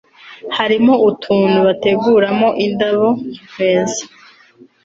harimo utuntu bateguramo indabo ku meza